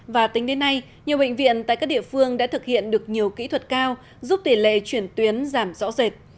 và tính đến nay nhiều bệnh viện tại các địa phương đã thực hiện được nhiều kỹ thuật cao giúp tỷ lệ chuyển tuyến giảm rõ rệt